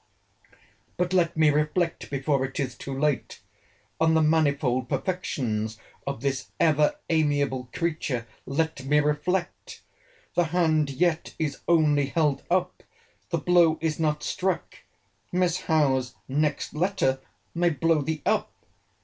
"But let me reflect before it is too late. On the manifold perfections of this ever amiable creature let me reflect. The hand yet is only held up. The blow is not struck. Miss Howe's next letter may blow thee up.